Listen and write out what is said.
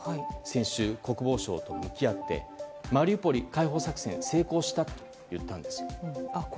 先週、国防相と向き合ってマリウポリ解放作戦は成功したと言ったんです。